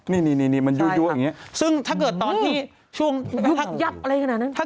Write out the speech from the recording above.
นี่นี่นี่นี่มันยู่อย่างเงี้ยซึ่งถ้าเกิดตอนที่ช่วงยักษ์อะไรขนาดนั้น